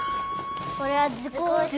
これはずこうしつ。